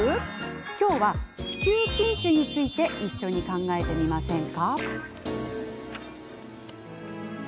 今日は子宮筋腫について一緒に考えてみませんか？